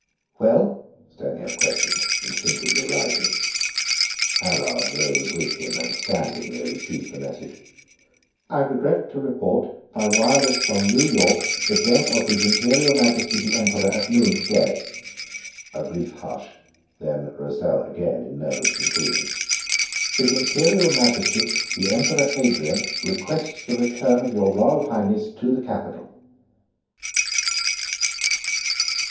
"Well?" Stanief questioned, instinctively rising. Allard rose with him, and standing they received the message. "I regret to report, by wireless from New York, the death of his Imperial Majesty the Emperor, at noon to day." A brief hush, then Rosal again in nervous conclusion: "His Imperial Majesty the Emperor Adrian requests the return of your Royal Highness to the capital."